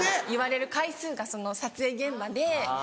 言われる回数がその撮影現場で。